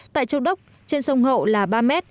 tại châu đốc trên sông hậu là ba m